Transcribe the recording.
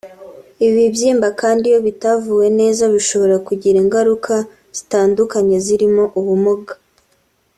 Ibi bibyimba kandi iyo bitavuwe neza bishobora kugira ingaruka zitandukanye zirimo Ubugumba